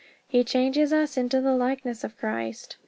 He changes us into the likeness of Christ.